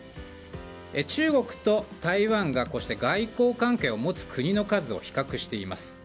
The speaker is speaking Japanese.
中国と台湾が外交関係を持つ国の数を比較しています。